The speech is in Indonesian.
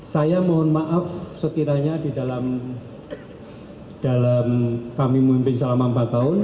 saya mohon maaf sekiranya di dalam kami memimpin selama empat tahun